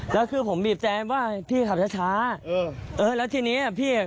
แล้วคือผมบีบแจมว่าพี่ขับช้าช้าเออเออแล้วทีนี้อ่ะพี่อ่ะ